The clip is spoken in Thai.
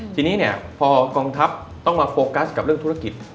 ทีนี้เนี่ยพอกองทัพต้องมาโฟกัสกับเรื่องธุรกิจ